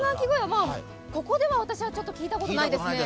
ここでは私は聞いたことないですね。